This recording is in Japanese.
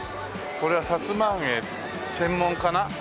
これはさつま揚げ専門かな？